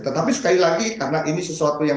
tetapi sekali lagi karena ini sesuatu yang